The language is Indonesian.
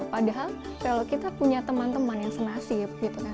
padahal kalau kita punya teman teman yang senasib